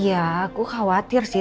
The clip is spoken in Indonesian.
iya aku khawatir sih